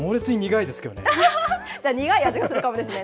じゃあ、苦い味がするかもですね。